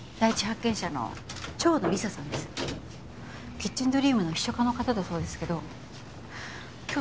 キッチンドリームの秘書課の方だそうですけど今日